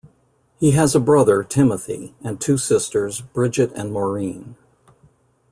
He has a brother, Timothy, and two sisters, Bridget and Maureen.